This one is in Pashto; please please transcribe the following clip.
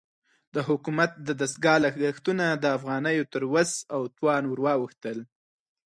د حکومت د دستګاه لګښتونه د افغانیو تر وس او توان ورواوښتل.